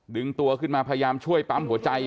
ดึงตัวขึ้นมาพยายามช่วยปั๊มหัวใจ